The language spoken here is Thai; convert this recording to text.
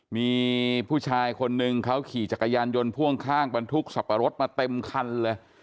มีผู้ชายคนหนึ่งเขาขี่จักรยานยนต์พ่วงข้างบรรทุกสับปะรดมาเต็มคันเลย